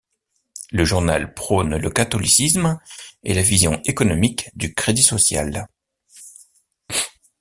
Le journal prône le catholicisme et la vision économique du crédit social.